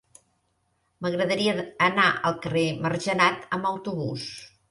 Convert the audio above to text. M'agradaria anar al carrer de Margenat amb autobús.